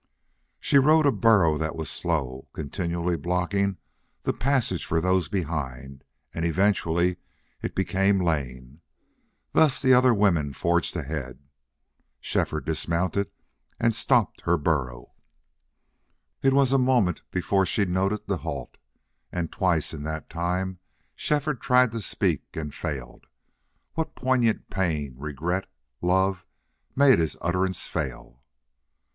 She rode a burro that was slow, continually blocking the passage for those behind, and eventually it became lame. Thus the other women forged ahead. Shefford dismounted and stopped her burro. It was a moment before she noted the halt, and twice in that time Shefford tried to speak and failed. What poignant pain, regret, love made his utterance fail!